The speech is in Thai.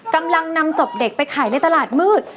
กำลังนำศพเด็กไปขายในตลาดมืด